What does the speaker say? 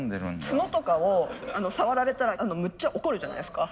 角とかを触られたらむっちゃ怒るじゃないですか。